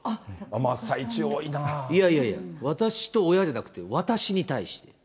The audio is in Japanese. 真っ最中、いやいやいや、私と親じゃなくて、私に対して。